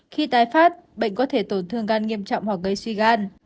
khi tái phát bệnh có thể tổn thương gan nghiêm trọng hoặc gây suy gan